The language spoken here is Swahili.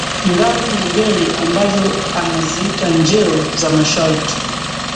ngali na ngeli ambazo anaziita njeo za masharti